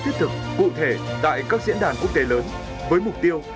thiết thực cụ thể tại các diễn đàn quốc tế lớn với mục tiêu